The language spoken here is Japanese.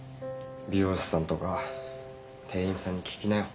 美容師さんとか店員さんに聞きなよ。